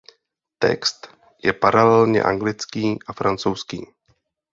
Text je paralelně anglický a francouzský.